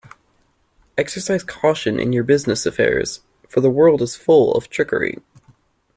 Exercise caution in your business affairs, for the world is full of trickery.